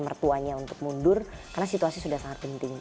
mertuanya untuk mundur karena situasi sudah sangat penting